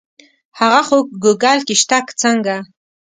هغه خو ګوګل کې شته که څنګه.